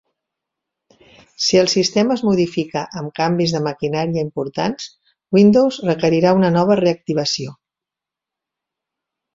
Si el sistema es modifica amb canvis de maquinari importants, Windows requerirà una nova reactivació.